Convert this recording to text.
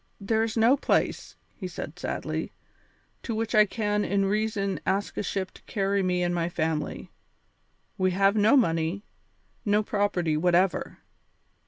"There is no place," he said sadly, "to which I can in reason ask a ship to carry me and my family. We have no money, no property whatever.